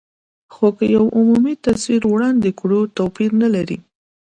خو که یو عمومي تصویر وړاندې کړو، توپیر نه لري.